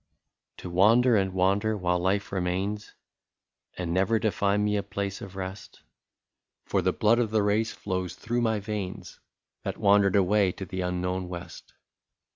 " To wander and wander while life remains, And never to find me a place of rest, — For the blood of the race flows through my veins That wandered away to the unknown west.